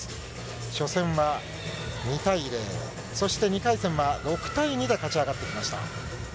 初戦は２対０、そして２回戦は、６対２で勝ち上がってきました。